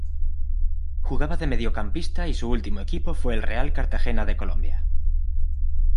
Jugaba de mediocampista y su último equipo fue el Real Cartagena de Colombia.